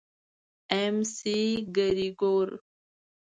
اېم سي ګرېګور.